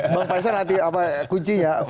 bang fajrul nanti kuncinya